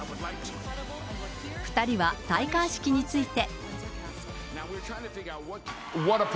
２人は戴冠式について。